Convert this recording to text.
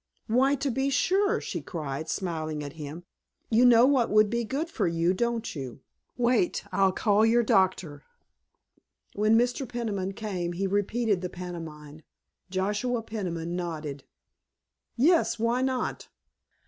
"Why, to be sure," she cried, smiling at him, "you know what would be good for you, don't you? Wait, I'll call your doctor." When Mr. Peniman came he repeated the pantomime. Joshua Peniman nodded. "Yes, why not?